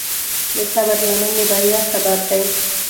د صبر لمن د بریا سبب دی.